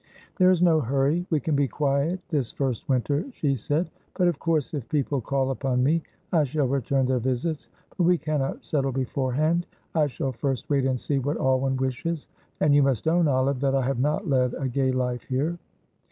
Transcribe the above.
"There is no hurry, we can be quiet this first winter," she said; "but, of course, if people call upon me, I shall return their visits, but we cannot settle beforehand. I shall first wait and see what Alwyn wishes, and you must own, Olive, that I have not led a gay life here."